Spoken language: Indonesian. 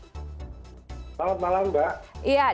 selamat malam mbak